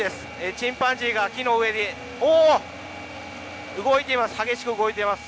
チンパンジーが木の上で動いています。